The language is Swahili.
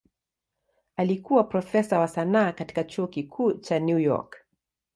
Alikuwa profesa wa sanaa katika Chuo Kikuu cha New York.